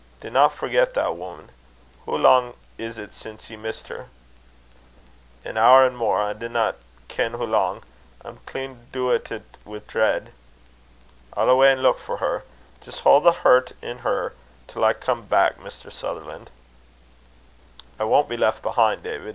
Dinna forget that, wuman. Hoo lang is't sin' ye missed her?" "An hour an' mair I dinna ken hoo lang. I'm clean doitit wi' dreid." "I'll awa' an' leuk for her. Just haud the hert in her till I come back, Mr. Sutherlan'." "I won't be left behind, David.